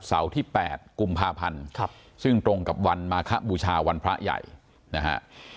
ที่๘กุมภาพันธ์ซึ่งตรงกับวันมาคบูชาวันพระใหญ่นะฮะ